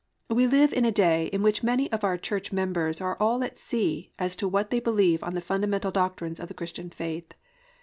We live in a day in which many of our church members are all at sea as to what they believe on the fundamental doctrines of the Christian faith.